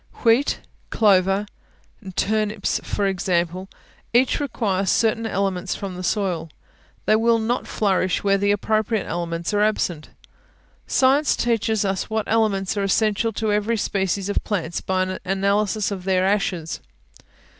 Wheat, clover, turnips, for example, each require certain elements from the soil; they will not flourish where the appropriate elements are absent. Science teaches us what elements are essential to every species of plants by an analysis of their ashes.